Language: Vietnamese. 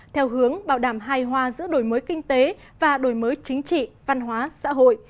theo hướng bảo đảm hài hòa giữa đổi mới kinh tế và đổi mới chính trị văn hóa xã hội